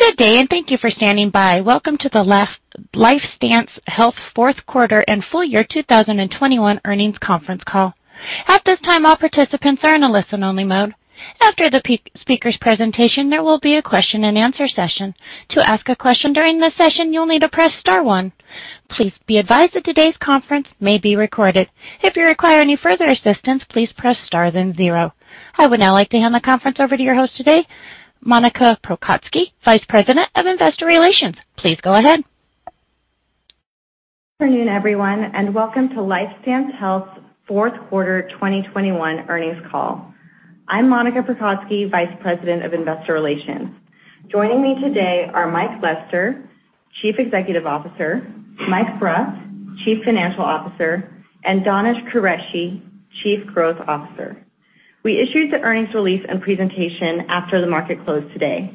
Good day, and thank you for standing by. Welcome to the LifeStance Health fourth quarter and full year 2021 earnings conference call. At this time, all participants are in a listen-only mode. After the speakers presentation, there will be a question and answer session. To ask a question during the session, you'll need to press star one. Please be advised that today's conference may be recorded. If you require any further assistance, please press star then zero. I would now like to hand the conference over to your host today, Monica Prokocki, Vice President of Investor Relations. Please go ahead. Good afternoon, everyone, and welcome to LifeStance Health's fourth quarter 2021 earnings call. I'm Monica Prokocki, Vice President of Investor Relations. Joining me today are Mike Lester, Chief Executive Officer, Mike Bruff, Chief Financial Officer, and Danish Qureshi, Chief Growth Officer. We issued the earnings release and presentation after the market closed today.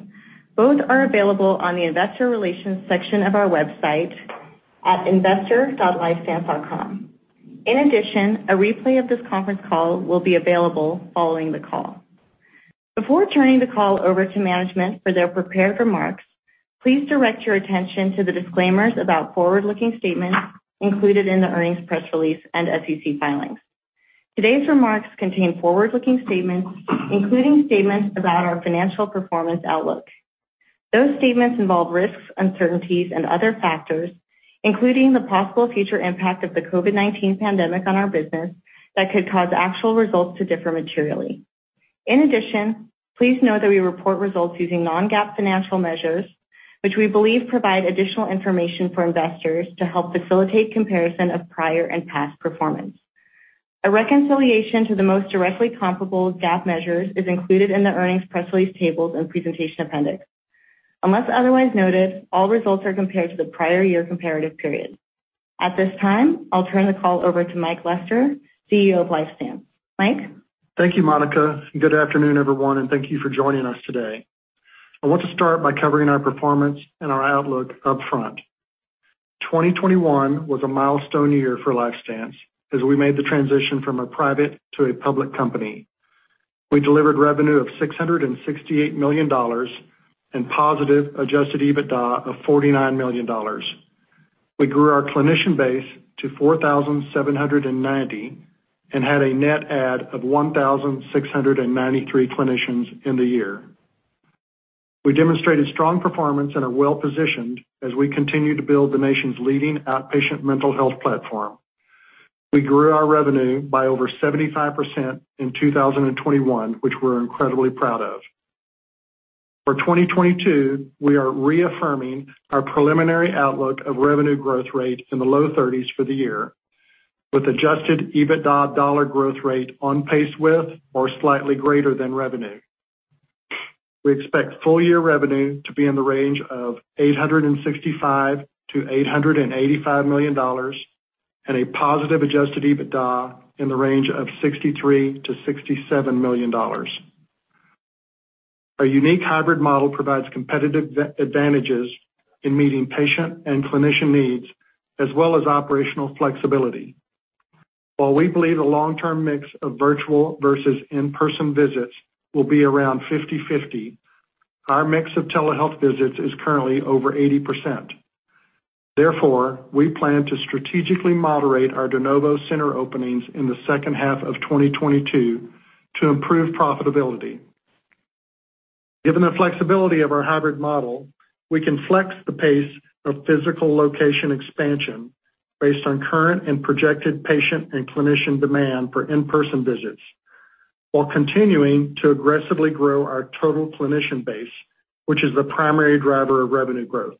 Both are available on the investor relations section of our website at investor.lifestance.com. In addition, a replay of this conference call will be available following the call. Before turning the call over to management for their prepared remarks, please direct your attention to the disclaimers about forward-looking statements included in the earnings press release and SEC filings. Today's remarks contain forward-looking statements, including statements about our financial performance outlook. Those statements involve risks, uncertainties and other factors, including the possible future impact of the COVID-19 pandemic on our business that could cause actual results to differ materially. In addition, please note that we report results using non-GAAP financial measures, which we believe provide additional information for investors to help facilitate comparison of prior and past performance. A reconciliation to the most directly comparable GAAP measures is included in the earnings press release tables and presentation appendix. Unless otherwise noted, all results are compared to the prior year comparative period. At this time, I'll turn the call over to Mike Lester, CEO of LifeStance. Mike. Thank you, Monica, and good afternoon, everyone, and thank you for joining us today. I want to start by covering our performance and our outlook upfront. 2021 was a milestone year for LifeStance as we made the transition from a private to a public company. We delivered revenue of $668 million and positive Adjusted EBITDA of $49 million. We grew our clinician base to 4,790 and had a net add of 1,693 clinicians in the year. We demonstrated strong performance and are well-positioned as we continue to build the nation's leading outpatient mental health platform. We grew our revenue by over 75% in 2021, which we're incredibly proud of. For 2022, we are reaffirming our preliminary outlook of revenue growth rate in the low 30s% for the year with Adjusted EBITDA dollar growth rate on pace with or slightly greater than revenue. We expect full year revenue to be in the range of $865 million-$885 million and a positive Adjusted EBITDA in the range of $63 million-$67 million. Our unique hybrid model provides competitive advantages in meeting patient and clinician needs as well as operational flexibility. While we believe a long-term mix of virtual versus in-person visits will be around 50/50, our mix of telehealth visits is currently over 80%. Therefore, we plan to strategically moderate our de novo center openings in the second half of 2022 to improve profitability. Given the flexibility of our hybrid model, we can flex the pace of physical location expansion based on current and projected patient and clinician demand for in-person visits while continuing to aggressively grow our total clinician base, which is the primary driver of revenue growth.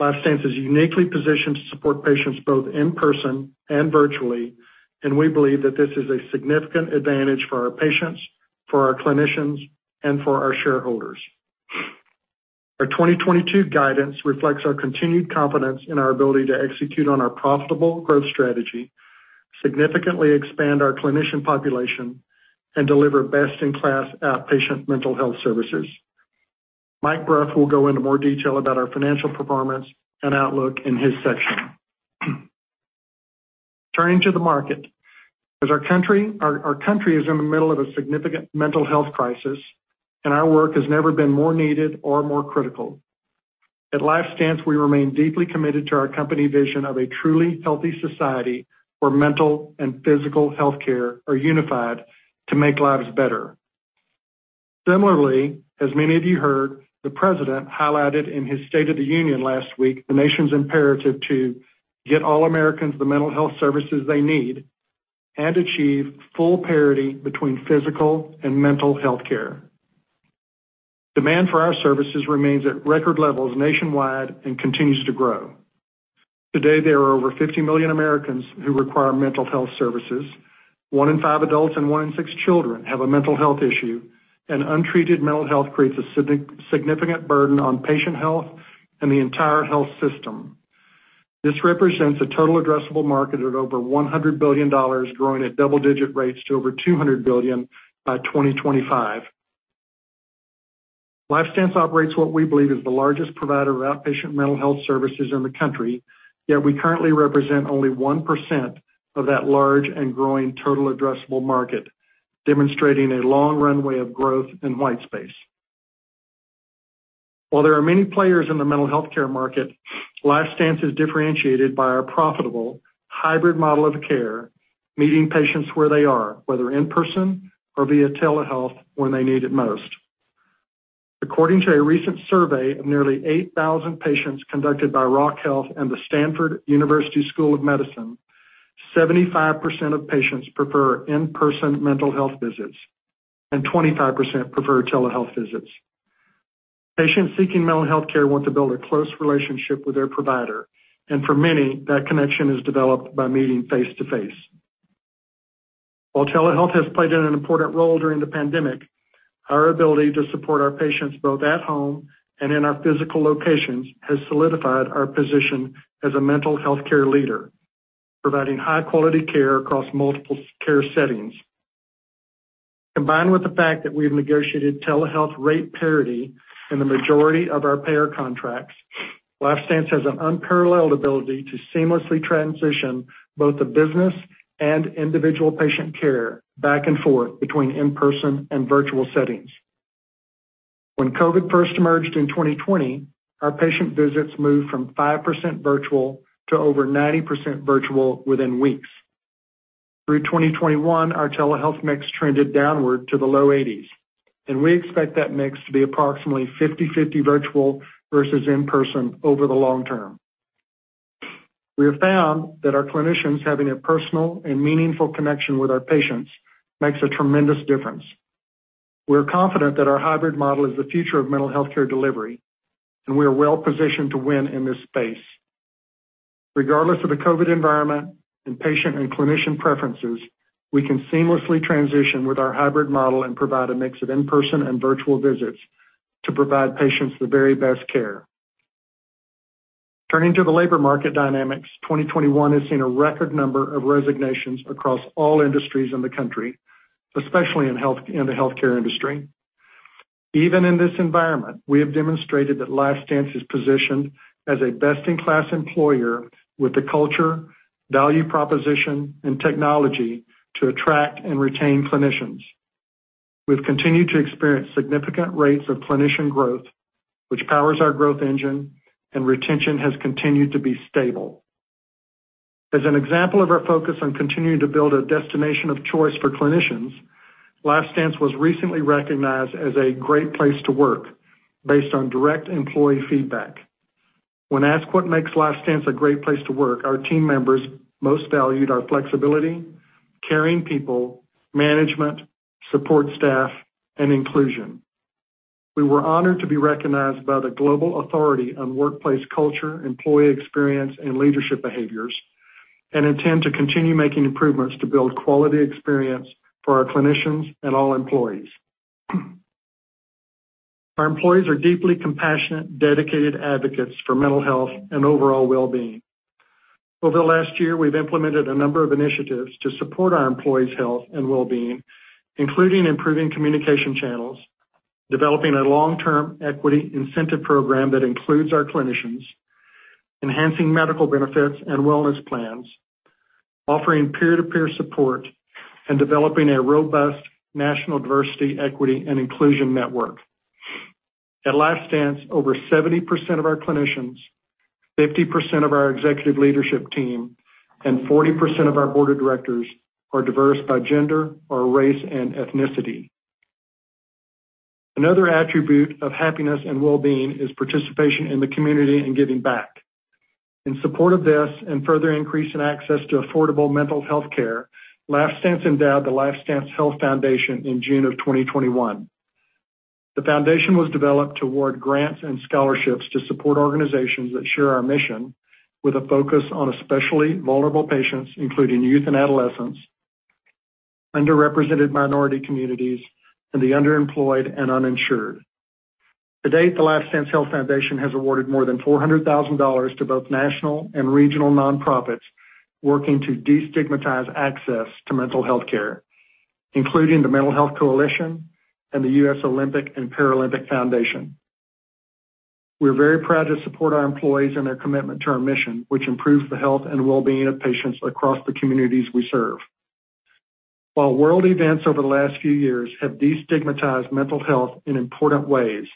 LifeStance is uniquely positioned to support patients both in person and virtually, and we believe that this is a significant advantage for our patients, for our clinicians, and for our shareholders. Our 2022 guidance reflects our continued confidence in our ability to execute on our profitable growth strategy, significantly expand our clinician population, and deliver best-in-class outpatient mental health services. Mike Bruff will go into more detail about our financial performance and outlook in his section. Turning to the market, as our country is in the middle of a significant mental health crisis, and our work has never been more needed or more critical. At LifeStance, we remain deeply committed to our company vision of a truly healthy society where mental and physical health care are unified to make lives better. Similarly, as many of you heard, the President highlighted in his State of the Union last week the nation's imperative to get all Americans the mental health services they need and achieve full parity between physical and mental health care. Demand for our services remains at record levels nationwide and continues to grow. Today, there are over 50 million Americans who require mental health services. One in five adults and one in six children have a mental health issue, and untreated mental health creates a significant burden on patient health and the entire health system. This represents a total addressable market at over $100 billion, growing at double-digit rates to over $200 billion by 2025. LifeStance operates what we believe is the largest provider of outpatient mental health services in the country, yet we currently represent only 1% of that large and growing total addressable market, demonstrating a long runway of growth in white space. While there are many players in the mental healthcare market, LifeStance is differentiated by our profitable hybrid model of care, meeting patients where they are, whether in person or via telehealth when they need it most. According to a recent survey of nearly 8,000 patients conducted by Rock Health and the Stanford University School of Medicine, 75% of patients prefer in-person mental health visits and 25% prefer telehealth visits. Patients seeking mental health care want to build a close relationship with their provider, and for many, that connection is developed by meeting face-to-face. While telehealth has played an important role during the pandemic, our ability to support our patients both at home and in our physical locations has solidified our position as a mental health care leader, providing high-quality care across multiple care settings. Combined with the fact that we've negotiated telehealth rate parity in the majority of our payer contracts, LifeStance has an unparalleled ability to seamlessly transition both the business and individual patient care back and forth between in-person and virtual settings. When COVID first emerged in 2020, our patient visits moved from 5% virtual to over 90% virtual within weeks. Through 2021, our telehealth mix trended downward to the low 80s%, and we expect that mix to be approximately 50/50 virtual versus in-person over the long term. We have found that our clinicians having a personal and meaningful connection with our patients makes a tremendous difference. We're confident that our hybrid model is the future of mental health care delivery, and we are well-positioned to win in this space. Regardless of the COVID environment and patient and clinician preferences, we can seamlessly transition with our hybrid model and provide a mix of in-person and virtual visits to provide patients the very best care. Turning to the labor market dynamics, 2021 has seen a record number of resignations across all industries in the country, especially in the healthcare industry. Even in this environment, we have demonstrated that LifeStance is positioned as a best-in-class employer with the culture, value proposition, and technology to attract and retain clinicians. We've continued to experience significant rates of clinician growth, which powers our growth engine, and retention has continued to be stable. As an example of our focus on continuing to build a destination of choice for clinicians, LifeStance was recently recognized as a Great Place To Work based on direct employee feedback. When asked what makes LifeStance a Great Place To Work, our team members most valued our flexibility, caring people, management, support staff, and inclusion. We were honored to be recognized by the global authority on workplace culture, employee experience, and leadership behaviors, and intend to continue making improvements to build quality experience for our clinicians and all employees. Our employees are deeply compassionate, dedicated advocates for mental health and overall well-being. Over the last year, we've implemented a number of initiatives to support our employees' health and well-being, including improving communication channels, developing a long-term equity incentive program that includes our clinicians, enhancing medical benefits and wellness plans, offering peer-to-peer support, and developing a robust national diversity, equity, and inclusion network. At LifeStance, over 70% of our clinicians, 50% of our executive leadership team, and 40% of our board of directors are diverse by gender or race and ethnicity. Another attribute of happiness and well-being is participation in the community and giving back. In support of this and further increase in access to affordable mental health care, LifeStance endowed the LifeStance Health Foundation in June 2021. The foundation was developed to award grants and scholarships to support organizations that share our mission with a focus on especially vulnerable patients, including youth and adolescents, underrepresented minority communities, and the underemployed and uninsured. To date, the LifeStance Health Foundation has awarded more than $400,000 to both national and regional nonprofits working to destigmatize access to mental health care, including The Mental Health Coalition and the U.S. Olympic & Paralympic Foundation. We're very proud to support our employees and their commitment to our mission, which improves the health and well-being of patients across the communities we serve. While world events over the last few years have destigmatized mental health in important ways,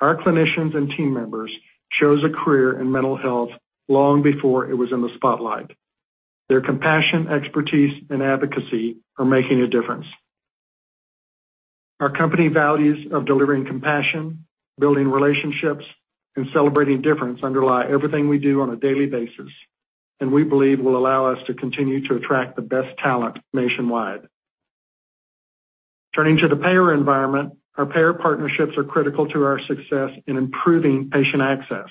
our clinicians and team members chose a career in mental health long before it was in the spotlight. Their compassion, expertise, and advocacy are making a difference. Our company values of delivering compassion, building relationships, and celebrating difference underlie everything we do on a daily basis, and we believe will allow us to continue to attract the best talent nationwide. Turning to the payer environment, our payer partnerships are critical to our success in improving patient access.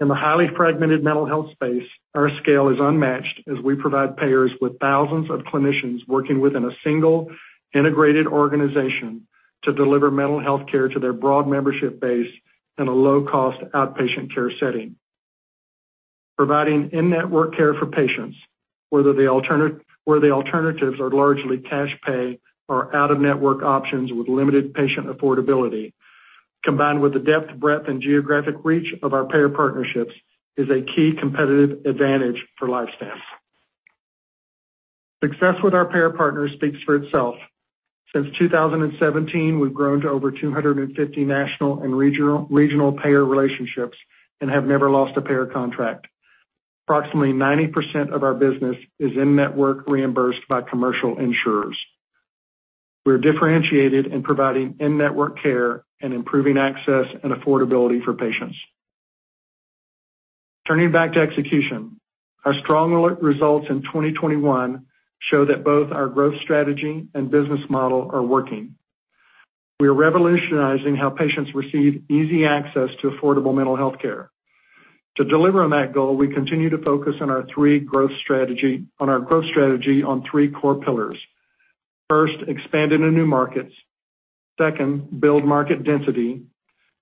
In the highly fragmented mental health space, our scale is unmatched as we provide payers with thousands of clinicians working within a single integrated organization to deliver mental health care to their broad membership base in a low-cost outpatient care setting. Providing in-network care for patients, where the alternatives are largely cash pay or out-of-network options with limited patient affordability. Combined with the depth, breadth, and geographic reach of our payer partnerships is a key competitive advantage for LifeStance. Success with our payer partners speaks for itself. Since 2017, we've grown to over 250 national and regional payer relationships and have never lost a payer contract. Approximately 90% of our business is in-network reimbursed by commercial insurers. We're differentiated in providing in-network care and improving access and affordability for patients. Turning back to execution, our strong results in 2021 show that both our growth strategy and business model are working. We are revolutionizing how patients receive easy access to affordable mental health care. To deliver on that goal, we continue to focus on our growth strategy on three core pillars. First, expand into new markets. Second, build market density.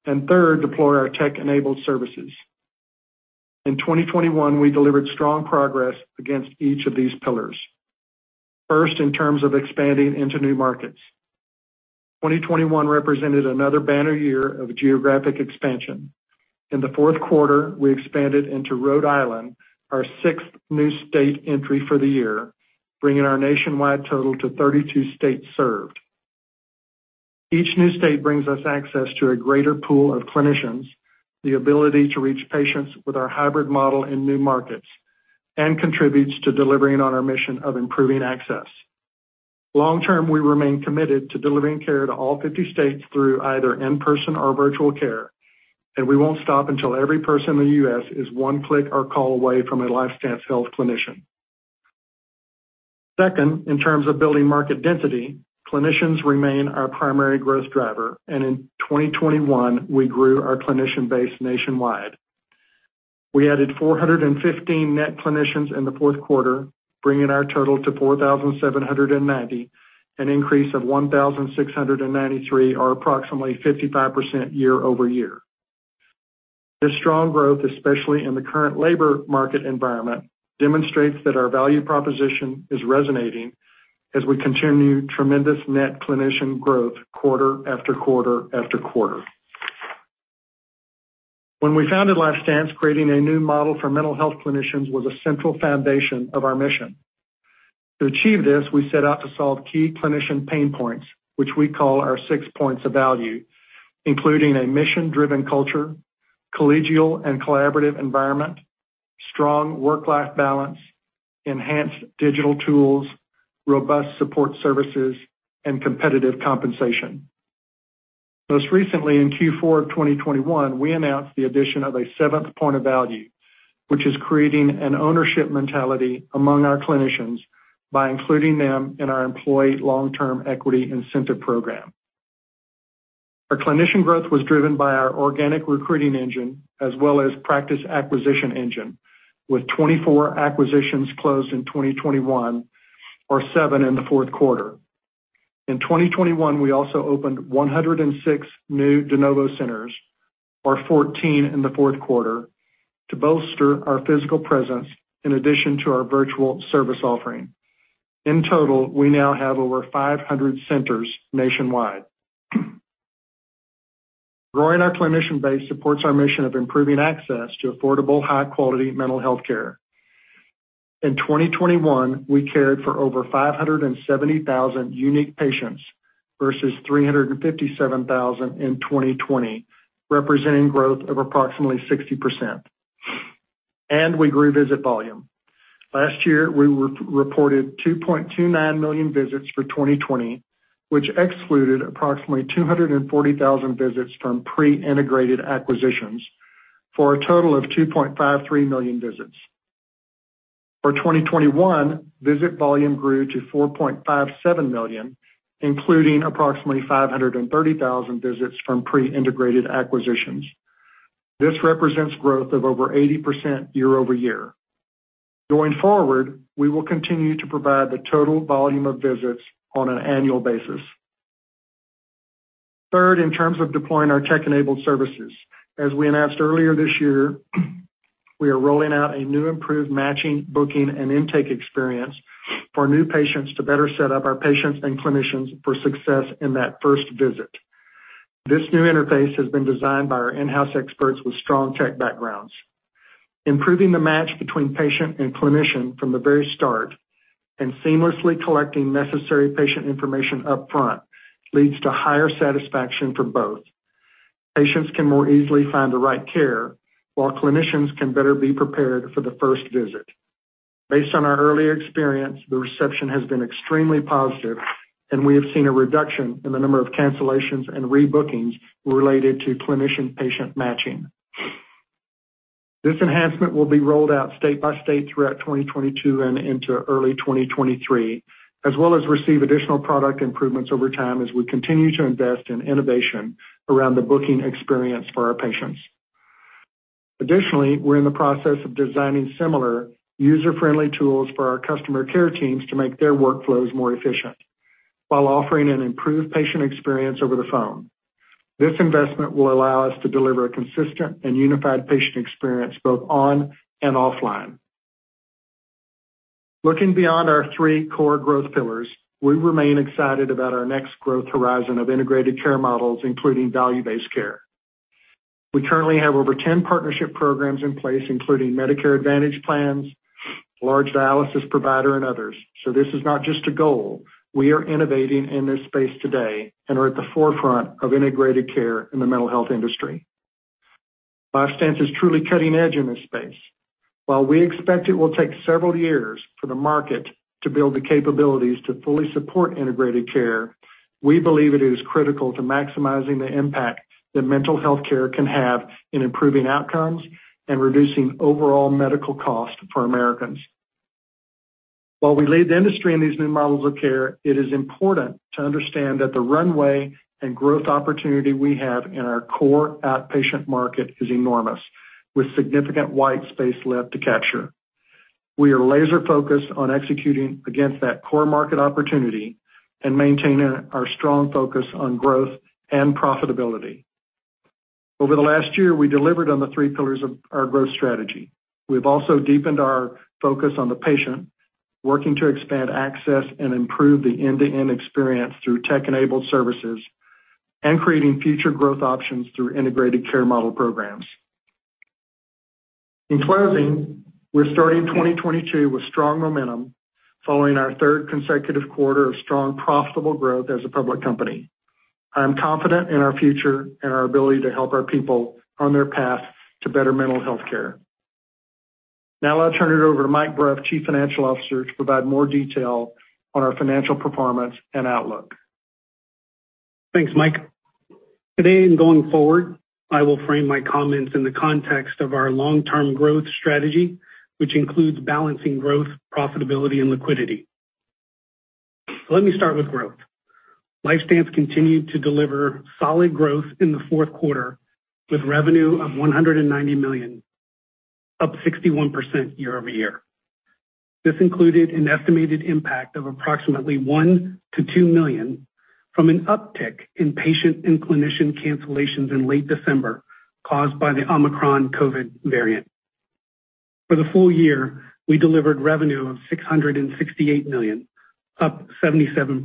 Third, deploy our tech-enabled services. In 2021, we delivered strong progress against each of these pillars. First, in terms of expanding into new markets. 2021 represented another banner year of geographic expansion. In the fourth quarter, we expanded into Rhode Island, our sixth new state entry for the year, bringing our nationwide total to 32 states served. Each new state brings us access to a greater pool of clinicians, the ability to reach patients with our hybrid model in new markets, and contributes to delivering on our mission of improving access. Long term, we remain committed to delivering care to all 50 states through either in-person or virtual care, and we won't stop until every person in the U.S. is one click or call away from a LifeStance Health clinician. Second, in terms of building market density, clinicians remain our primary growth driver, and in 2021, we grew our clinician base nationwide. We added 415 net clinicians in the fourth quarter, bringing our total to 4,790, an increase of 1,693, or approximately 55% year-over-year. This strong growth, especially in the current labor market environment, demonstrates that our value proposition is resonating as we continue tremendous net clinician growth quarter after quarter after quarter. When we founded LifeStance, creating a new model for mental health clinicians was a central foundation of our mission. To achieve this, we set out to solve key clinician pain points, which we call our six points of value, including a mission-driven culture, collegial and collaborative environment, strong work-life balance, enhanced digital tools, robust support services, and competitive compensation. Most recently, in Q4 of 2021, we announced the addition of a seventh point of value, which is creating an ownership mentality among our clinicians by including them in our employee long-term equity incentive program. Our clinician growth was driven by our organic recruiting engine as well as practice acquisition engine, with 24 acquisitions closed in 2021, or seven in the fourth quarter. In 2021, we also opened 106 new de novo centers, or 14 in the fourth quarter, to bolster our physical presence in addition to our virtual service offering. In total, we now have over 500 centers nationwide. Growing our clinician base supports our mission of improving access to affordable, high-quality mental health care. In 2021, we cared for over 570,000 unique patients versus 357,000 in 2020, representing growth of approximately 60%. We grew visit volume. Last year, we re-reported 2.29 million visits for 2020, which excluded approximately 240,000 visits from pre-integrated acquisitions for a total of 2.53 million visits. For 2021, visit volume grew to 4.57 million, including approximately 530,000 visits from pre-integrated acquisitions. This represents growth of over 80% year-over-year. Going forward, we will continue to provide the total volume of visits on an annual basis. Third, in terms of deploying our tech-enabled services, as we announced earlier this year, we are rolling out a new improved matching, booking, and intake experience for new patients to better set up our patients and clinicians for success in that first visit. This new interface has been designed by our in-house experts with strong tech backgrounds. Improving the match between patient and clinician from the very start and seamlessly collecting necessary patient information upfront leads to higher satisfaction for both. Patients can more easily find the right care, while clinicians can better be prepared for the first visit. Based on our early experience, the reception has been extremely positive and we have seen a reduction in the number of cancellations and rebookings related to clinician-patient matching. This enhancement will be rolled out state by state throughout 2022 and into early 2023, as well as receive additional product improvements over time as we continue to invest in innovation around the booking experience for our patients. Additionally, we're in the process of designing similar user-friendly tools for our customer care teams to make their workflows more efficient while offering an improved patient experience over the phone. This investment will allow us to deliver a consistent and unified patient experience both on and offline. Looking beyond our three core growth pillars, we remain excited about our next growth horizon of integrated care models, including value-based care. We currently have over 10 partnership programs in place, including Medicare Advantage plans, large dialysis provider, and others. This is not just a goal. We are innovating in this space today and are at the forefront of integrated care in the mental health industry. LifeStance is truly cutting edge in this space. While we expect it will take several years for the market to build the capabilities to fully support integrated care, we believe it is critical to maximizing the impact that mental health care can have in improving outcomes and reducing overall medical costs for Americans. While we lead the industry in these new models of care, it is important to understand that the runway and growth opportunity we have in our core outpatient market is enormous, with significant white space left to capture. We are laser-focused on executing against that core market opportunity and maintaining our strong focus on growth and profitability. Over the last year, we delivered on the three pillars of our growth strategy. We've also deepened our focus on the patient, working to expand access and improve the end-to-end experience through tech-enabled services and creating future growth options through integrated care model programs. In closing, we're starting 2022 with strong momentum following our third consecutive quarter of strong profitable growth as a public company. I am confident in our future and our ability to help our people on their path to better mental health care. Now I'll turn it over to Mike Bruff, Chief Financial Officer, to provide more detail on our financial performance and outlook. Thanks, Mike. Today and going forward, I will frame my comments in the context of our long-term growth strategy, which includes balancing growth, profitability, and liquidity. Let me start with growth. LifeStance continued to deliver solid growth in the fourth quarter with revenue of $190 million, up 61% year-over-year. This included an estimated impact of approximately $1 million-$2 million from an uptick in patient and clinician cancellations in late December caused by the Omicron COVID variant. For the full year, we delivered revenue of $668 million, up 77%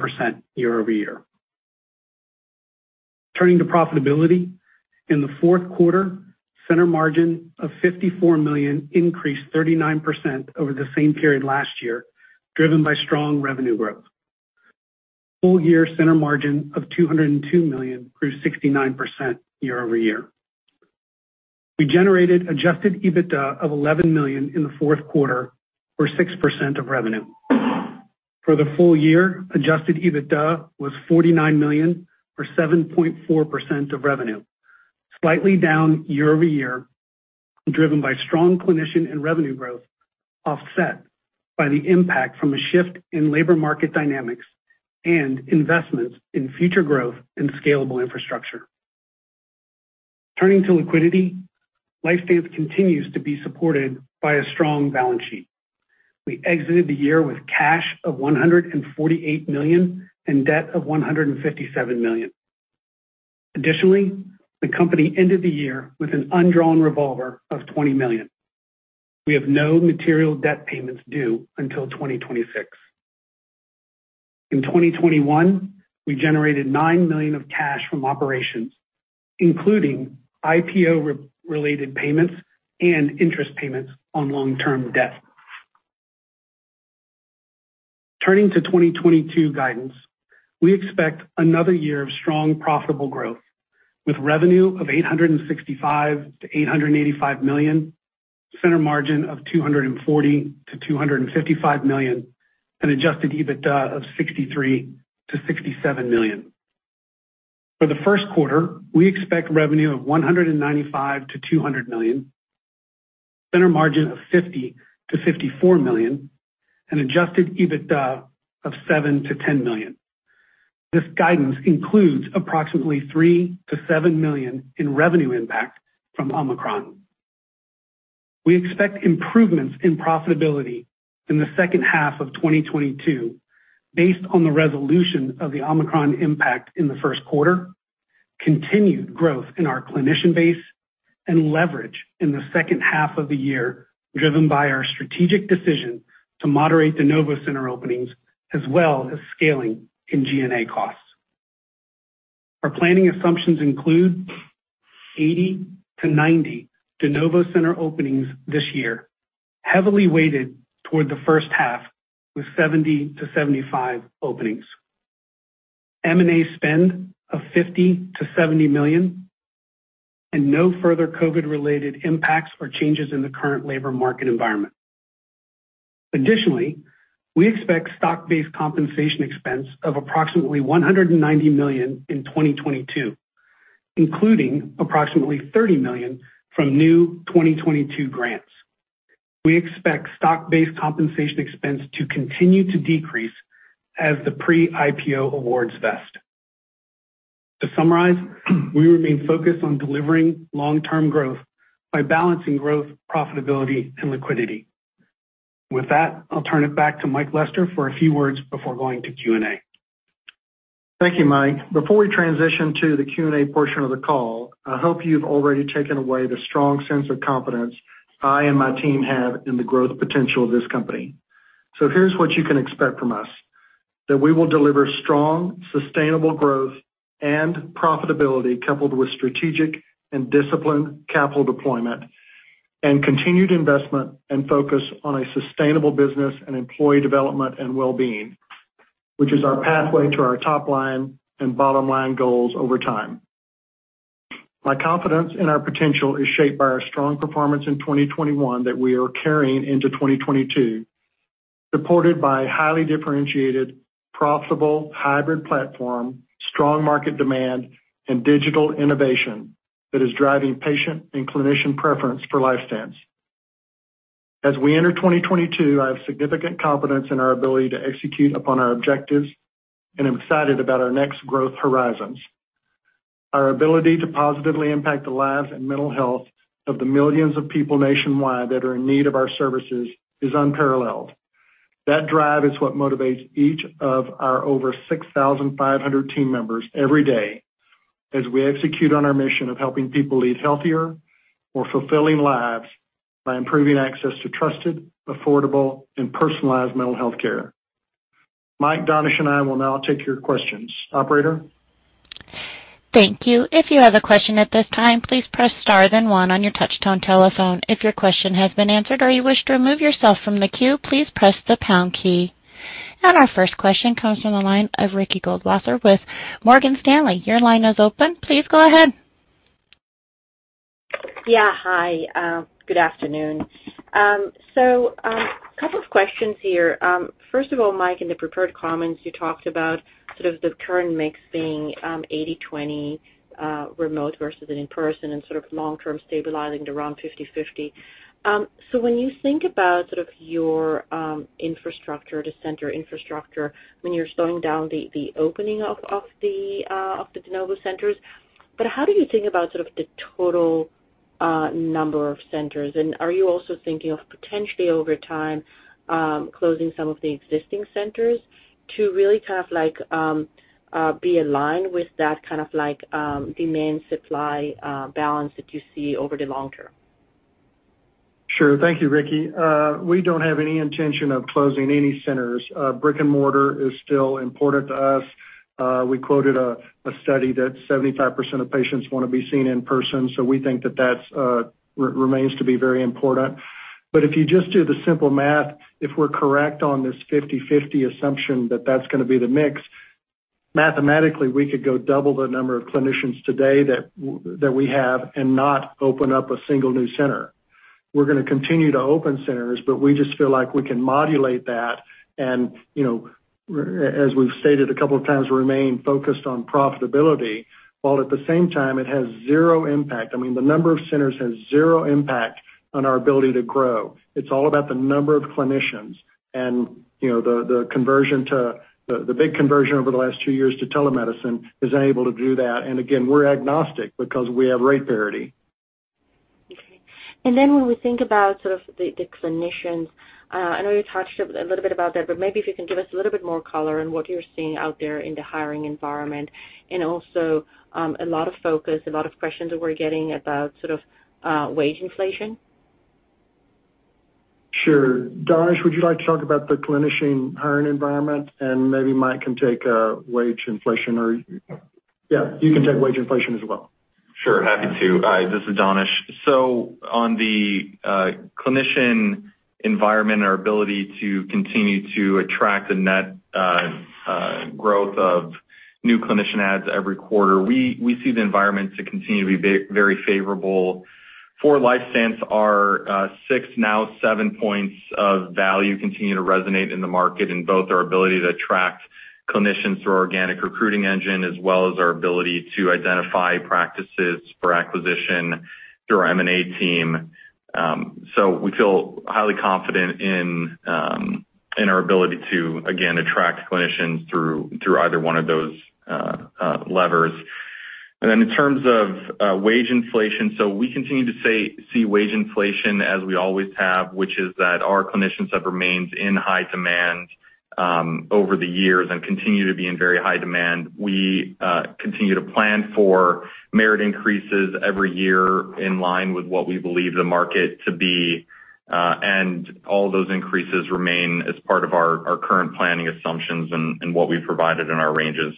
year-over-year. Turning to profitability, in the fourth quarter, center margin of $54 million increased 39% over the same period last year, driven by strong revenue growth. Full year center margin of $202 million grew 69% year-over-year. We generated Adjusted EBITDA of $11 million in the fourth quarter, or 6% of revenue. For the full year, Adjusted EBITDA was $49 million, or 7.4% of revenue, slightly down year-over-year, driven by strong clinician and revenue growth, offset by the impact from a shift in labor market dynamics and investments in future growth and scalable infrastructure. Turning to liquidity, LifeStance continues to be supported by a strong balance sheet. We exited the year with cash of $148 million and debt of $157 million. Additionally, the company ended the year with an undrawn revolver of $20 million. We have no material debt payments due until 2026. In 2021, we generated $9 million of cash from operations, including IPO-related payments and interest payments on long-term debt. Turning to 2022 guidance, we expect another year of strong profitable growth with revenue of $865 million-$885 million, center margin of $240 million-$255 million, and Adjusted EBITDA of $63 million-$67 million. For the first quarter, we expect revenue of $195 million-$200 million, center margin of $50 million-$54 million, and Adjusted EBITDA of $7 million-$10 million. This guidance includes approximately $3 million-$7 million in revenue impact from Omicron. We expect improvements in profitability in the second half of 2022 based on the resolution of the Omicron impact in the first quarter, continued growth in our clinician base, and leverage in the second half of the year, driven by our strategic decision to moderate de novo center openings as well as scaling in G&A costs. Our planning assumptions include 80-90 de novo center openings this year, heavily weighted toward the first half with 70-75 openings, M&A spend of $50 million-$70 million, and no further COVID-19-related impacts or changes in the current labor market environment. Additionally, we expect stock-based compensation expense of approximately $190 million in 2022, including approximately $30 million from new 2022 grants. We expect stock-based compensation expense to continue to decrease as the pre-IPO awards vest. To summarize, we remain focused on delivering long-term growth by balancing growth, profitability, and liquidity. With that, I'll turn it back to Mike Lester for a few words before going to Q&A. Thank you, Mike. Before we transition to the Q&A portion of the call, I hope you've already taken away the strong sense of confidence I and my team have in the growth potential of this company. Here's what you can expect from us, that we will deliver strong, sustainable growth and profitability, coupled with strategic and disciplined capital deployment and continued investment and focus on a sustainable business and employee development and well-being, which is our pathway to our top line and bottom line goals over time. My confidence in our potential is shaped by our strong performance in 2021 that we are carrying into 2022, supported by highly differentiated, profitable hybrid platform, strong market demand, and digital innovation that is driving patient and clinician preference for LifeStance. As we enter 2022, I have significant confidence in our ability to execute upon our objectives, and I'm excited about our next growth horizons. Our ability to positively impact the lives and mental health of the millions of people nationwide that are in need of our services is unparalleled. That drive is what motivates each of our over 6,500 team members every day as we execute on our mission of helping people lead healthier, more fulfilling lives by improving access to trusted, affordable, and personalized mental health care. Mike, Danish, and I will now take your questions. Operator? Thank you. If you have a question at this time, please press star then one on your touchtone telephone. If your question has been answered or you wish to remove yourself from the queue, please press the pound key. Our first question comes from the line of Ricky Goldwasser with Morgan Stanley. Your line is open. Please go ahead. Yeah. Hi. Good afternoon. A couple of questions here. First of all, Mike, in the prepared comments, you talked about sort of the current mix being 80/20 remote versus in-person and sort of long-term stabilizing to around 50/50. When you think about sort of your infrastructure, the center infrastructure, when you're slowing down the opening of the de novo centers, but how do you think about sort of the total number of centers? And are you also thinking of potentially over time closing some of the existing centers to really kind of like be aligned with that kind of like demand supply balance that you see over the long term? Sure. Thank you, Ricky. We don't have any intention of closing any centers. Brick-and-mortar is still important to us. We quoted a study that 75% of patients wanna be seen in person, so we think that that's remains to be very important. If you just do the simple math, if we're correct on this 50/50 assumption that that's gonna be the mix, mathematically, we could go double the number of clinicians today that we have and not open up a single new center. We're gonna continue to open centers, but we just feel like we can modulate that and, you know, as we've stated a couple of times, remain focused on profitability. While at the same time, it has zero impact. I mean, the number of centers has zero impact on our ability to grow. It's all about the number of clinicians and, you know, the big conversion over the last two years to telemedicine is able to do that. Again, we're agnostic because we have rate parity. Okay. Then when we think about sort of the clinicians, I know you touched a little bit about that, but maybe if you can give us a little bit more color on what you're seeing out there in the hiring environment and also, a lot of focus, a lot of questions that we're getting about sort of, wage inflation. Sure. Danish, would you like to talk about the clinician hiring environment, and maybe Mike can take wage inflation or- Sure. Yeah, you can take wage inflation as well. Sure, happy to. This is Danish. On the clinician environment and our ability to continue to attract the net growth of new clinician adds every quarter, we see the environment to continue to be very favorable. For LifeStance, our six, now seven points of value continue to resonate in the market in both our ability to attract clinicians through organic recruiting engine as well as our ability to identify practices for acquisition through our M&A team. We feel highly confident in our ability to again attract clinicians through either one of those levers. In terms of wage inflation, we continue to see wage inflation as we always have, which is that our clinicians have remained in high demand over the years and continue to be in very high demand. We continue to plan for merit increases every year in line with what we believe the market to be, and all those increases remain as part of our current planning assumptions and what we provided in our ranges.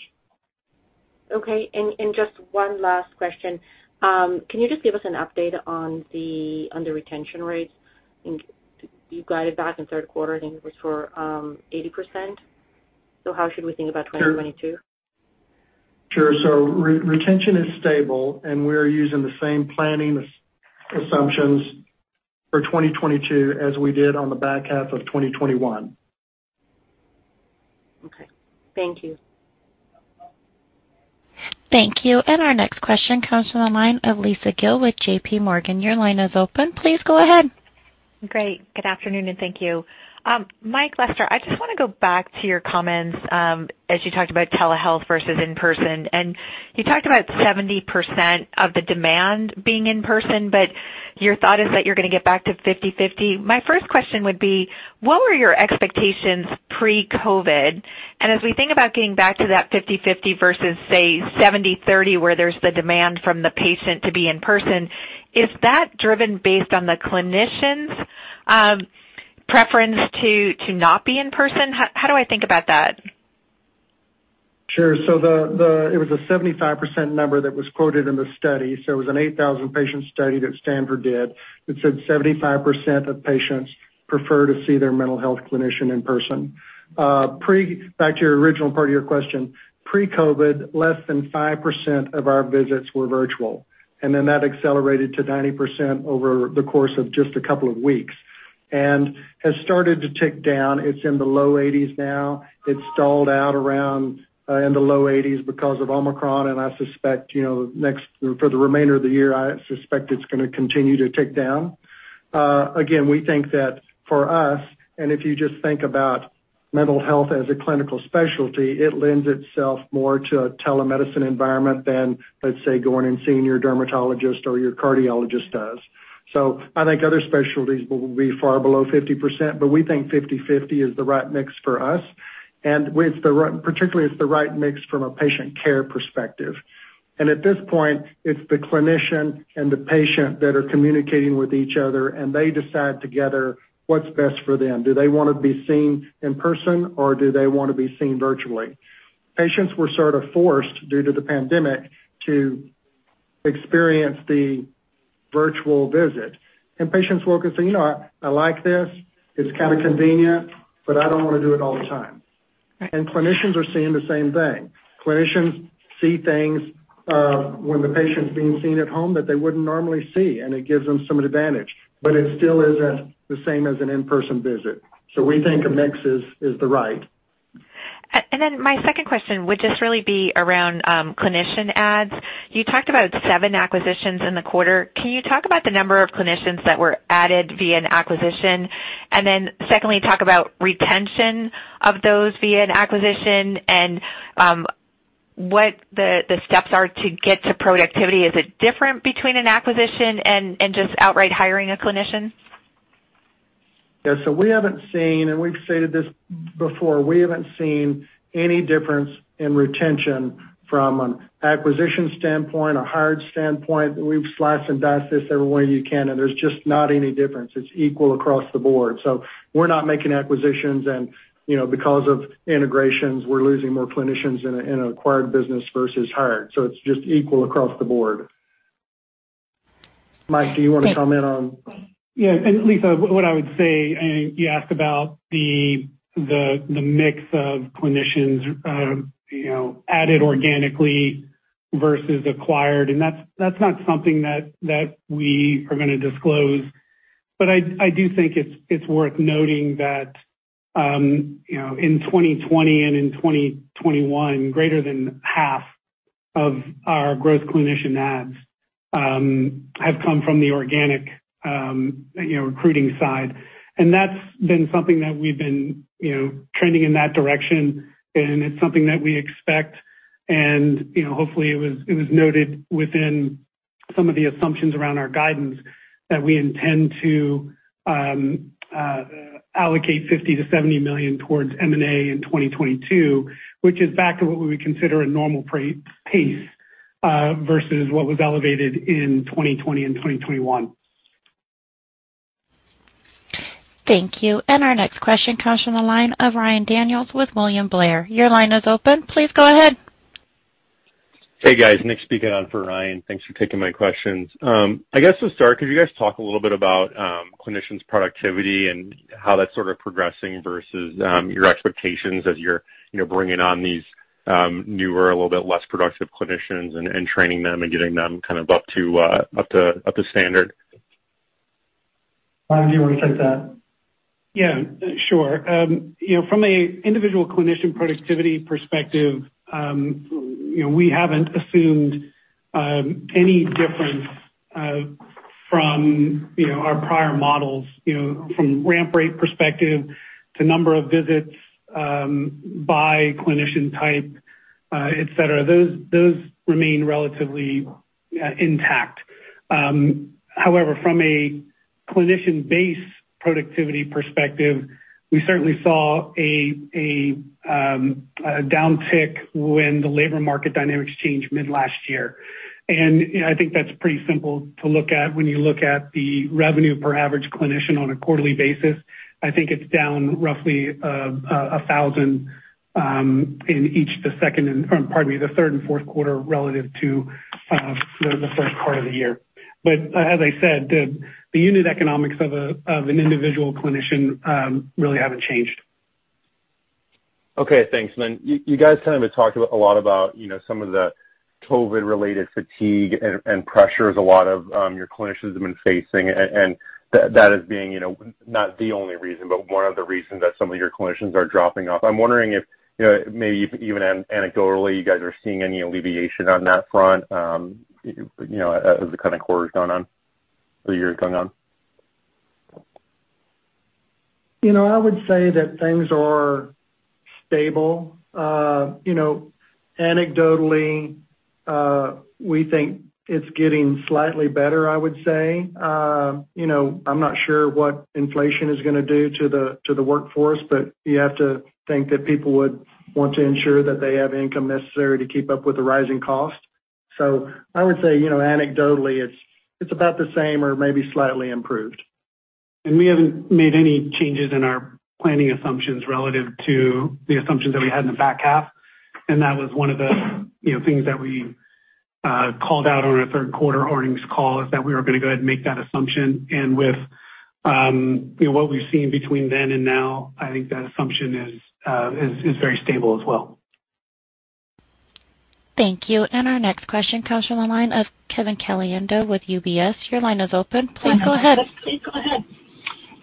Okay. Just one last question. Can you just give us an update on the retention rates? I think you guided back in the third quarter, I think it was for 80%. How should we think about 2022? Sure. Retention is stable, and we're using the same planning assumptions for 2022 as we did on the back half of 2021. Okay. Thank you. Thank you. Our next question comes from the line of Lisa Gill with JPMorgan. Your line is open. Please go ahead. Great. Good afternoon and thank you. Mike Lester, I just wanna go back to your comments, as you talked about telehealth versus in-person, and you talked about 70% of the demand being in person, but your thought is that you're gonna get back to 50/50. My first question would be, what were your expectations pre-COVID? As we think about getting back to that 50/50 versus, say, 70/30, where there's the demand from the patient to be in person, is that driven based on the clinician's preference to not be in person? How do I think about that? Sure. It was a 75% number that was quoted in the study, so it was an 8,000-patient study that Stanford did that said 75% of patients prefer to see their mental health clinician in person. Back to your original part of your question, pre-COVID, less than 5% of our visits were virtual, and then that accelerated to 90% over the course of just a couple of weeks, and has started to tick down. It's in the low 80s now. It stalled out around in the low 80s because of Omicron, and I suspect, you know, for the remainder of the year, I suspect it's gonna continue to tick down. Again, we think that for us, and if you just think about mental health as a clinical specialty, it lends itself more to a telemedicine environment than, let's say, going and seeing your dermatologist or your cardiologist does. I think other specialties will be far below 50%, but we think 50/50 is the right mix for us. Particularly, it's the right mix from a patient care perspective. At this point, it's the clinician and the patient that are communicating with each other, and they decide together what's best for them. Do they wanna be seen in person or do they wanna be seen virtually? Patients were sort of forced, due to the pandemic, to experience the virtual visit. Patients will kind of say, "You know, I like this. It's kind of convenient, but I don't wanna do it all the time. Right. Clinicians are seeing the same thing. Clinicians see things when the patient's being seen at home that they wouldn't normally see, and it gives them some advantage, but it still isn't the same as an in-person visit. We think a mix is the right. My second question would just really be around clinician adds. You talked about seven acquisitions in the quarter. Can you talk about the number of clinicians that were added via an acquisition? Secondly, talk about retention of those via an acquisition and what the steps are to get to productivity. Is it different between an acquisition and just outright hiring a clinician? Yeah. We haven't seen, and we've stated this before, we haven't seen any difference in retention from an acquisition standpoint, a hired standpoint. We've sliced and diced this every way you can, and there's just not any difference. It's equal across the board. We're not making acquisitions and, you know, because of integrations, we're losing more clinicians in an acquired business versus hired. It's just equal across the board. Mike, do you wanna comment on- Yeah. Lisa, what I would say, and you asked about the mix of clinicians, you know, added organically versus acquired, and that's not something that we are gonna disclose. But I do think it's worth noting that, you know, in 2020 and in 2021, greater than half of our growth clinician adds have come from the organic, you know, recruiting side. That's been something that we've been, you know, trending in that direction, and it's something that we expect. Hopefully, it was noted within some of the assumptions around our guidance that we intend to allocate $50 million-$70 million towards M&A in 2022, which is back to what we would consider a normal pace versus what was elevated in 2020 and 2021. Thank you. Our next question comes from the line of Ryan Daniels with William Blair. Your line is open. Please go ahead. Hey, guys. Nick speaking on for Ryan. Thanks for taking my questions. I guess to start, could you guys talk a little bit about clinicians' productivity and how that's sort of progressing versus your expectations as you're you know bringing on these newer, a little bit less productive clinicians and training them and getting them kind of up to standard? Mike, do you wanna take that? Yeah, sure. You know, from an individual clinician productivity perspective, you know, we haven't assumed any difference from you know, our prior models, you know, from ramp rate perspective to number of visits by clinician type, et cetera. Those remain relatively intact. However, from a clinician base productivity perspective, we certainly saw a downtick when the labor market dynamics changed mid last year. You know, I think that's pretty simple to look at when you look at the revenue per average clinician on a quarterly basis. I think it's down roughly $1,000 in each the third and fourth quarter relative to the first part of the year. As I said, the unit economics of an individual clinician really haven't changed. Okay. Thanks. You guys kind of talked a lot about, you know, some of the COVID-related fatigue and pressures a lot of your clinicians have been facing and that as being, you know, not the only reason, but one of the reasons that some of your clinicians are dropping off. I'm wondering if, you know, maybe even anecdotally you guys are seeing any alleviation on that front, you know, as the kind of quarter's gone on or year's gone on. You know, I would say that things are stable. You know, anecdotally, we think it's getting slightly better, I would say. You know, I'm not sure what inflation is gonna do to the workforce, but you have to think that people would want to ensure that they have income necessary to keep up with the rising costs. I would say, you know, anecdotally, it's about the same or maybe slightly improved. We haven't made any changes in our planning assumptions relative to the assumptions that we had in the back half. That was one of the, you know, things that we called out on our third quarter earnings call, is that we were gonna go ahead and make that assumption. With, you know, what we've seen between then and now, I think that assumption is very stable as well. Thank you. Our next question comes from the line of Kevin Caliendo with UBS. Your line is open. Please go ahead.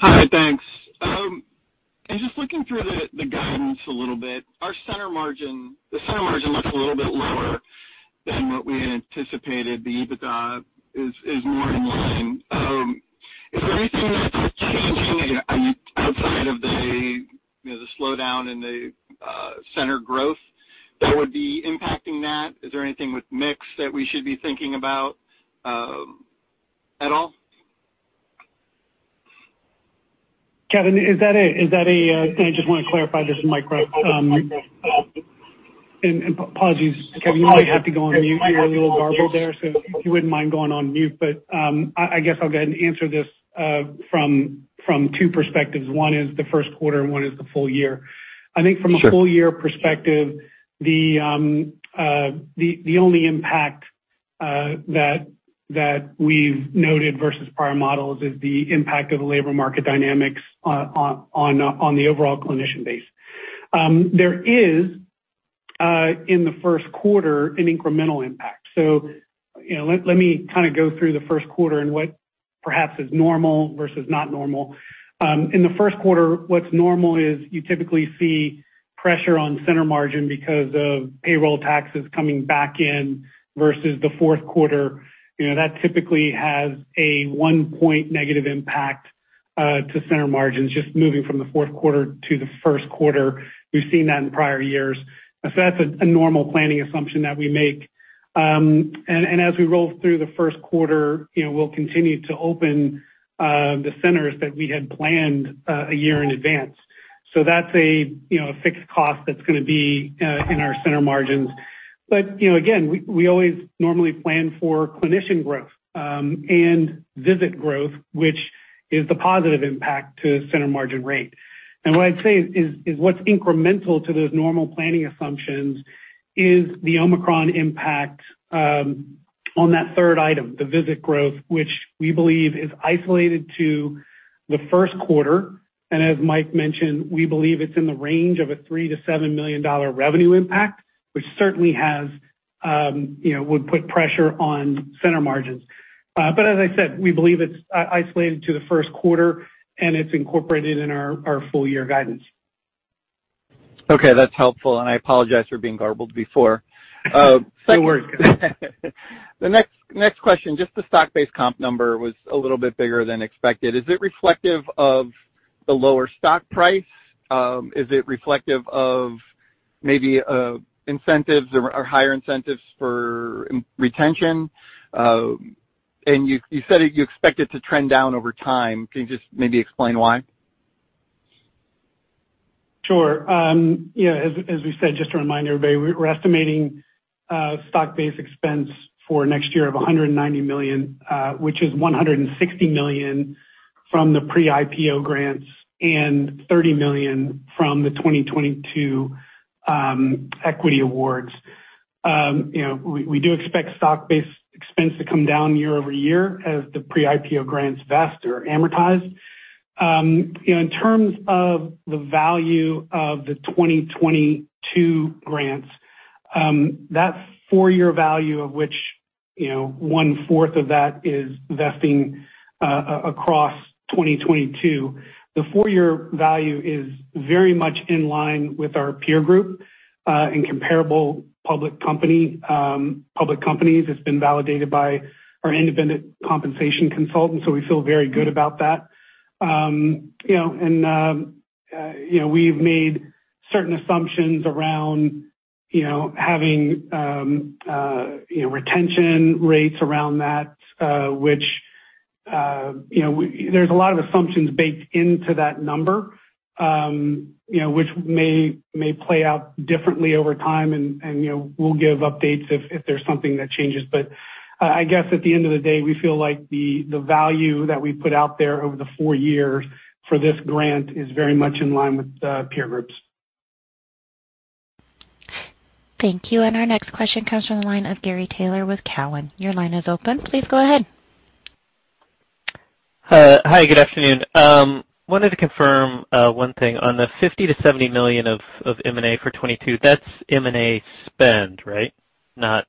Hi, thanks. I was just looking through the guidance a little bit. Our center margin looks a little bit lower than what we had anticipated. The EBITDA is more in line. Is there anything that's changing, you know, I mean, outside of the slowdown in the center growth that would be impacting that? Is there anything with mix that we should be thinking about at all? I just wanna clarify, this is Mike Bruff. Apologies, Kevin, you might have to go on mute. You were a little garbled there, so if you wouldn't mind going on mute. I guess I'll go ahead and answer this from two perspectives. One is the first quarter and one is the full year. Sure. I think from a full year perspective, the only impact that we've noted versus prior models is the impact of labor market dynamics on the overall clinician base. There is in the first quarter an incremental impact. You know, let me kinda go through the first quarter and what perhaps is normal versus not normal. In the first quarter, what's normal is you typically see pressure on center margin because of payroll taxes coming back in versus the fourth quarter. You know, that typically has a 1-point negative impact to center margins, just moving from the fourth quarter to the first quarter. We've seen that in prior years. That's a normal planning assumption that we make. As we roll through the first quarter, you know, we'll continue to open the centers that we had planned a year in advance. That's a fixed cost that's gonna be in our center margins. You know, again, we always normally plan for clinician growth and visit growth, which is the positive impact to center margin rate. What I'd say is what's incremental to those normal planning assumptions is the Omicron impact on that third item, the visit growth, which we believe is isolated to the first quarter. As Mike mentioned, we believe it's in the range of a $3 million-$7 million revenue impact, which certainly has, you know, would put pressure on center margins. As I said, we believe it's isolated to the first quarter, and it's incorporated in our full year guidance. Okay, that's helpful, and I apologize for being garbled before. No worries. The next question, just the stock-based comp number was a little bit bigger than expected. Is it reflective of the lower stock price? Is it reflective of maybe incentives or higher incentives for retention? You said you expect it to trend down over time. Can you just maybe explain why? Sure. You know, as we said, just to remind everybody, we're estimating stock-based compensation for next year of $190 million, which is $160 million from the pre-IPO grants and $30 million from the 2022 equity awards. You know, we do expect stock-based compensation to come down year-over-year as the pre-IPO grants vest or amortize. You know, in terms of the value of the 2022 grants, that four-year value of which one-fourth of that is vesting across 2022, the four-year value is very much in line with our peer group and comparable public company, public companies. It's been validated by our independent compensation consultant, so we feel very good about that. You know, we've made certain assumptions around, you know, having retention rates around that, which, you know, there's a lot of assumptions baked into that number, you know, which may play out differently over time. You know, we'll give updates if there's something that changes. I guess at the end of the day, we feel like the value that we put out there over the four years for this grant is very much in line with the peer groups. Thank you. Our next question comes from the line of Gary Taylor with Cowen. Your line is open. Please go ahead. Hi, good afternoon. I wanted to confirm one thing. On the $50 million-$70 million of M&A for 2022, that's M&A spend, right? Not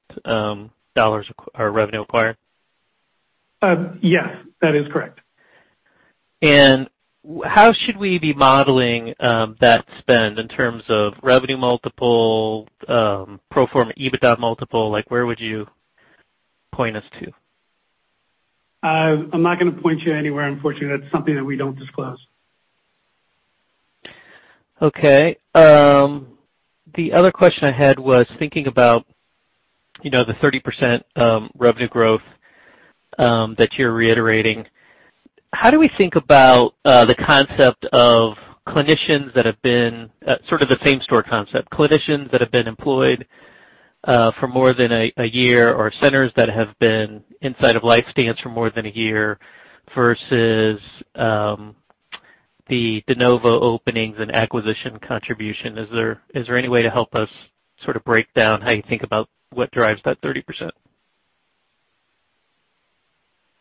dollars or revenue acquired? Yes, that is correct. How should we be modeling that spend in terms of revenue multiple, pro forma EBITDA multiple? Like, where would you point us to? I'm not gonna point you anywhere, unfortunately. That's something that we don't disclose. Okay. The other question I had was thinking about, you know, the 30% revenue growth that you're reiterating. How do we think about the concept of clinicians that have been sort of the same store concept, clinicians that have been employed for more than a year or centers that have been inside of LifeStance for more than a year versus the de novo openings and acquisition contribution? Is there any way to help us sort of break down how you think about what drives that 30%?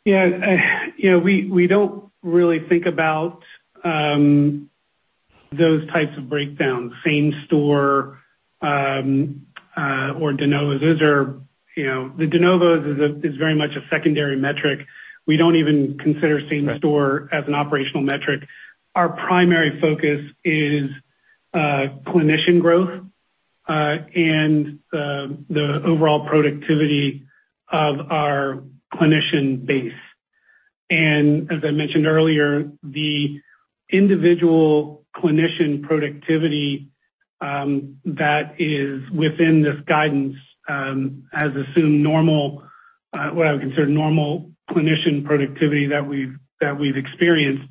Yeah, you know, we don't really think about those types of breakdowns, same store or de novos. Those are, you know, the de novos is very much a secondary metric. We don't even consider same store as an operational metric. Our primary focus is clinician growth and the overall productivity of our clinician base. As I mentioned earlier, the individual clinician productivity that is within this guidance has assumed normal what I would consider normal clinician productivity that we've experienced.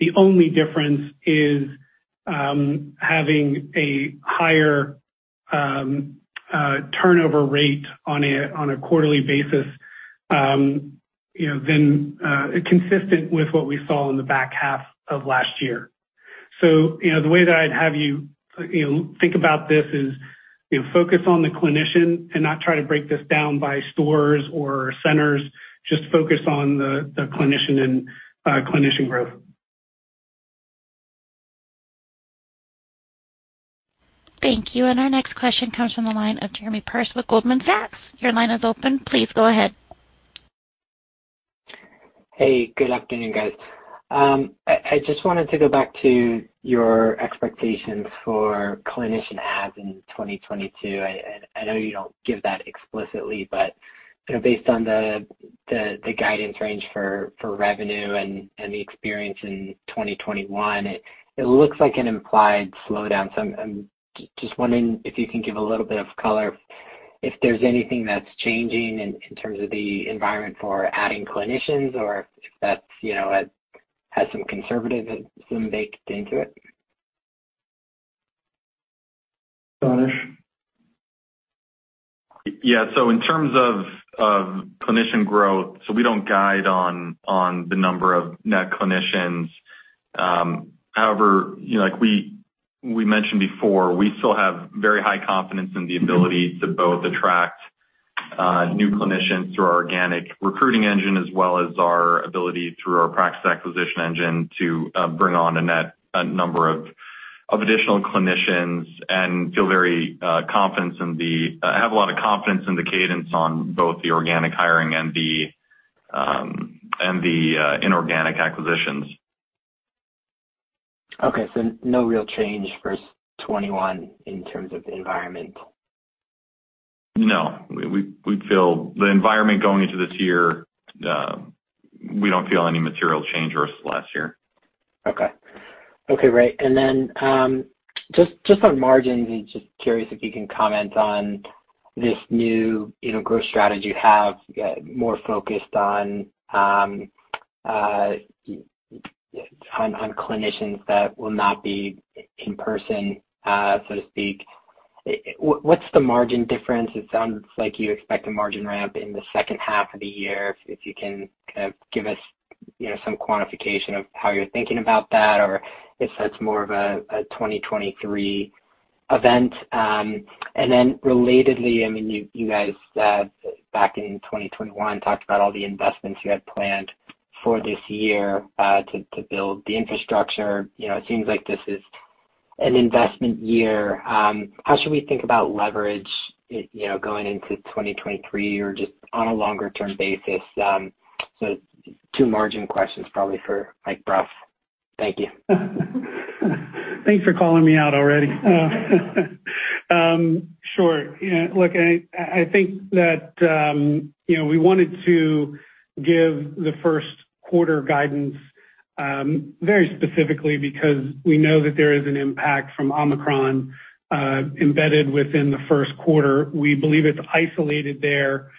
The only difference is having a higher turnover rate on a quarterly basis, you know, than consistent with what we saw in the back half of last year. You know, the way that I'd have you know, think about this is, you know, focus on the clinician and not try to break this down by stores or centers. Just focus on the clinician and clinician growth. Thank you. Our next question comes from the line of Jamie Perse with Goldman Sachs. Your line is open. Please go ahead. Hey, good afternoon, guys. I just wanted to go back to your expectations for clinician adds in 2022. I know you don't give that explicitly, but you know, based on the guidance range for revenue and the experience in 2021, it looks like an implied slowdown. I'm just wondering if you can give a little bit of color if there's anything that's changing in terms of the environment for adding clinicians or if that's, you know, it has some conservative assumption baked into it. Danish? Yeah. In terms of clinician growth, we don't guide on the number of net clinicians. However, you know, like we mentioned before, we still have very high confidence in the ability to both attract new clinicians through our organic recruiting engine as well as our ability through our practice acquisition engine to bring on a net number of additional clinicians. I have a lot of confidence in the cadence on both the organic hiring and the inorganic acquisitions. Okay, no real change versus 2021 in terms of the environment? No. We feel the environment going into this year, we don't feel any material change versus last year. Okay, great. Just on margins, just curious if you can comment on this new, you know, growth strategy you have, more focused on clinicians that will not be in person, so to speak. What's the margin difference? It sounds like you expect a margin ramp in the second half of the year. If you can kind of give us, you know, some quantification of how you're thinking about that or if that's more of a 2023 event. Relatedly, I mean, you guys back in 2021 talked about all the investments you had planned for this year to build the infrastructure. You know, it seems like this is an investment year. How should we think about leverage, you know, going into 2023 or just on a longer-term basis? Two margin questions probably for Mike Bruff. Thank you. Thanks for calling me out already. Sure. Yeah, look, I think that, you know, we wanted to give the first quarter guidance, very specifically because we know that there is an impact from Omicron, embedded within the first quarter. We believe it's isolated there.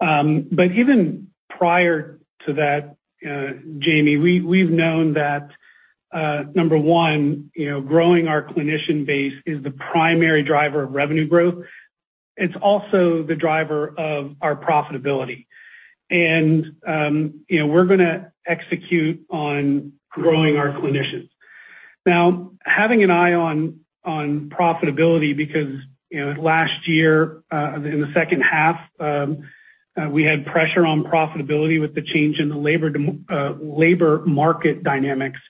But even prior to that, Jamie, we've known that, number one, you know, growing our clinician base is the primary driver of revenue growth. It's also the driver of our profitability. You know, we're gonna execute on growing our clinicians. Now, having an eye on profitability because, you know, last year, in the second half, we had pressure on profitability with the change in the labor market dynamics.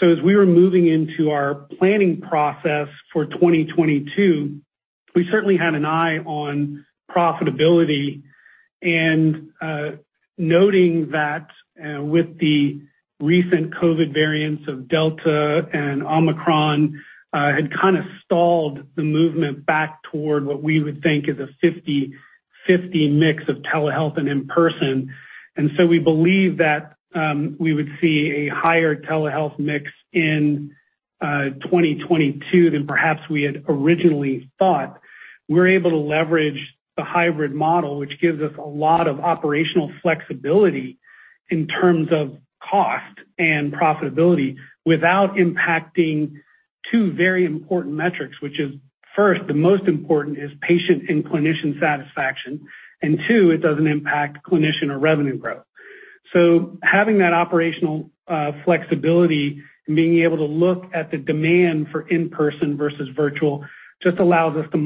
As we were moving into our planning process for 2022, we certainly had an eye on profitability and noting that with the recent COVID variants of Delta and Omicron had kinda stalled the movement back toward what we would think is a 50/50 mix of telehealth and in-person. We believe that we would see a higher telehealth mix in 2022 than perhaps we had originally thought. We're able to leverage the hybrid model, which gives us a lot of operational flexibility in terms of cost and profitability without impacting two very important metrics, which is, first, the most important is patient and clinician satisfaction. Two, it doesn't impact clinician or revenue growth. Having that operational flexibility and being able to look at the demand for in-person versus virtual just allows us to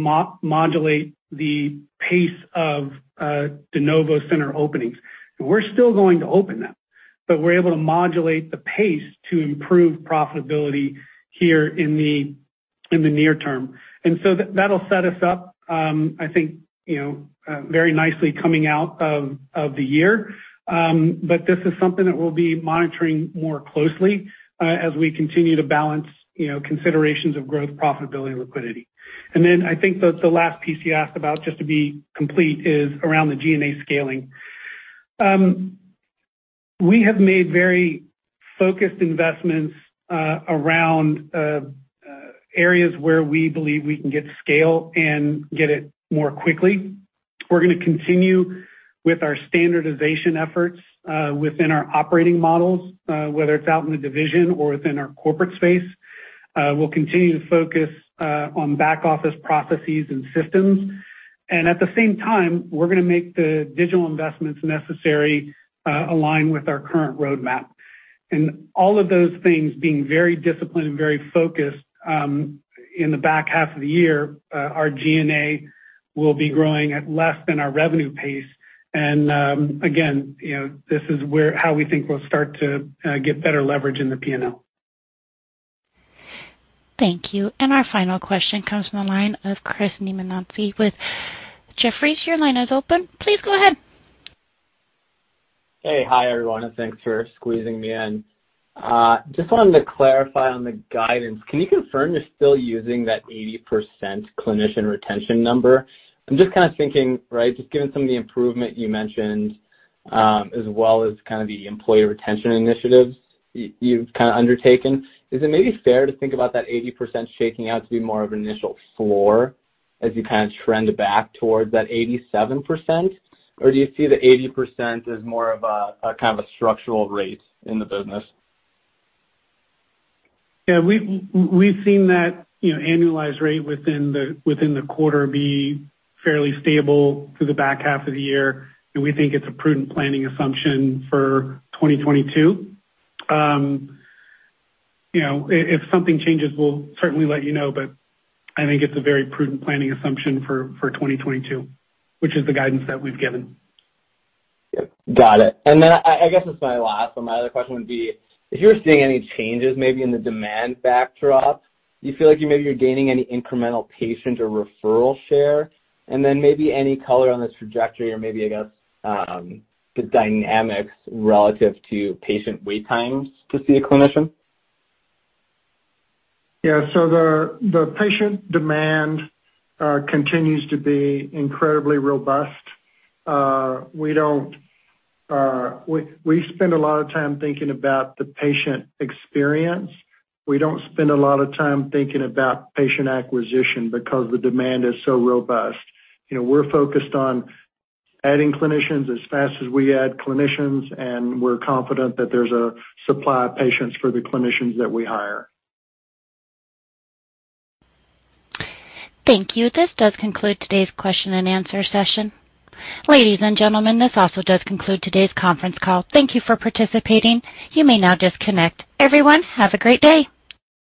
modulate the pace of de novo center openings. We're still going to open them, but we're able to modulate the pace to improve profitability here in the near term. That'll set us up, I think, you know, very nicely coming out of the year. This is something that we'll be monitoring more closely as we continue to balance, you know, considerations of growth, profitability, and liquidity. I think the last piece you asked about, just to be complete, is around the G&A scaling. We have made very focused investments around areas where we believe we can get scale and get it more quickly. We're gonna continue with our standardization efforts within our operating models, whether it's out in the division or within our corporate space. We'll continue to focus on back office processes and systems. At the same time, we're gonna make the digital investments necessary to align with our current roadmap. All of those things being very disciplined and very focused, in the back half of the year, our G&A will be growing at less than our revenue pace. Again, you know, this is how we think we'll start to get better leverage in the P&L. Thank you. Our final question comes from the line of Chris Neamonitis with Jefferies. Your line is open. Please go ahead. Hey. Hi, everyone, and thanks for squeezing me in. Just wanted to clarify on the guidance. Can you confirm you're still using that 80% clinician retention number? I'm just kinda thinking, right, just given some of the improvement you mentioned, as well as kind of the employee retention initiatives you've kinda undertaken, is it maybe fair to think about that 80% shaking out to be more of an initial floor as you kind of trend back towards that 87%? Or do you see the 80% as more of a kind of structural rate in the business? Yeah. We've seen that, you know, annualized rate within the quarter be fairly stable through the back half of the year, and we think it's a prudent planning assumption for 2022. You know, if something changes, we'll certainly let you know, but I think it's a very prudent planning assumption for 2022, which is the guidance that we've given. Yep. Got it. I guess this is my last one. My other question would be, if you're seeing any changes maybe in the demand backdrop, do you feel like you maybe are gaining any incremental patient or referral share? Maybe any color on the trajectory or maybe I guess the dynamics relative to patient wait times to see a clinician. The patient demand continues to be incredibly robust. We spend a lot of time thinking about the patient experience. We don't spend a lot of time thinking about patient acquisition because the demand is so robust. You know, we're focused on adding clinicians as fast as we add clinicians, and we're confident that there's a supply of patients for the clinicians that we hire. Thank you. This does conclude today's question and answer session. Ladies and gentlemen, this also does conclude today's conference call. Thank you for participating. You may now disconnect. Everyone, have a great day.